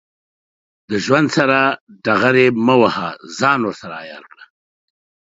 له ژوند سره ډغرې مه وهه، ځان ورسره عیار کړه.